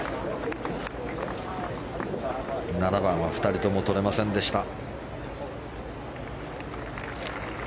７番は２人共とれませんでした。